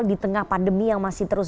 di tengah pandemi yang masih terus